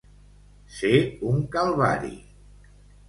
Ser un calvari.